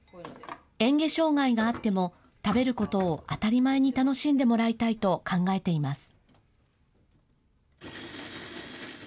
えん下障害があっても、食べることを当たり前に楽しんでもらいたいと考えています。